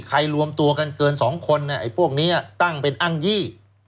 ใครรวมตัวกันเกินสองคนน่ะไอ้พวกเนี้ยตั้งเป็นอ้างยี่